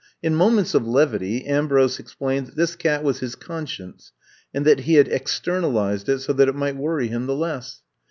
In moments of levity Ambrose explained that this cat was his conscience and that he had externalized it so that it might worry him the less.